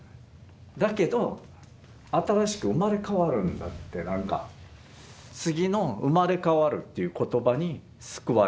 だけど新しく生まれ変わるんだって何か次の「生まれ変わる」っていう言葉に救われてだから歌える。